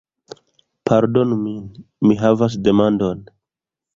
Pardonu min, mi havas demandon